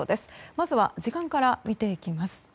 まずは時間から見ていきます。